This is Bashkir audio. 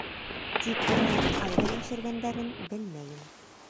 Тик уны ҡайҙа йәшергәндәрен белмәйем.